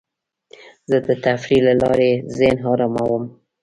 زه د تفریح له لارې ذهن اراموم.